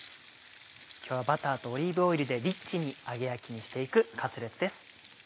今日はバターとオリーブオイルでリッチに揚げ焼きにして行くカツレツです。